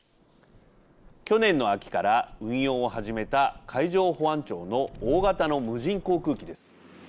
去年の秋から運用を始めた海上保安庁の大型の無人航空機です。